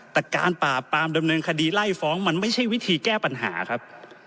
แต่การปราบปรามดำเนินคดีไล่ฟ้องมันไม่ใช่วิธีแก้ปัญหาครับ